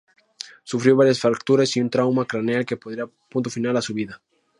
Sufrió varias fracturas y un trauma craneal que pondrían punto final a su vida.